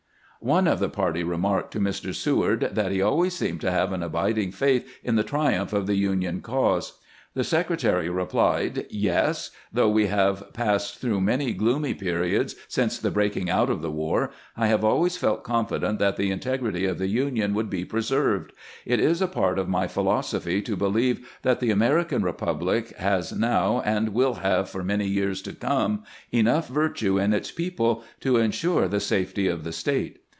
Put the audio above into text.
One of the party remarked to Mr. Seward that he always seemed to have an abiding faith in the triumph of the Union cause. The Secretary replied: "Yes; though we have passed through many gloomy periods since the breaking out of the war, I have always felt confident that the integrity of the Union would be pre served. It is a part of my philosophy to believe that the American republic has now, and will have for many years to come, enough virtue in its people to insure the SEWAUD VISITS GRANT 257 safety of the state.